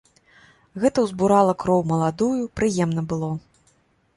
Гэта ўзбурала кроў маладую, прыемна было.